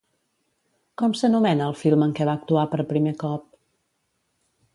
Com s'anomena el film en què va actuar per primer cop?